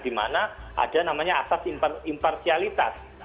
dimana ada namanya asas imparsialitas